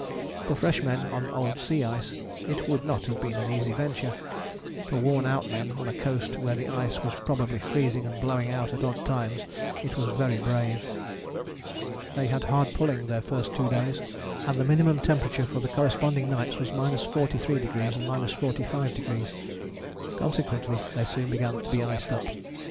For fresh men on old sea ice it would not have been an easy venture: for worn out men on a coast where the ice was probably freezing and blowing out at odd times it was very brave. They had hard pulling their first two days, and the minimum temperature for the corresponding nights was 43° and 45°. Consequently they soon began to be iced up.